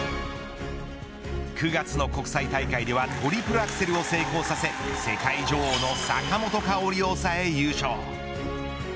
９月の国際大会ではトリプルアクセルを成功させ世界女王の坂本花織を抑え優勝。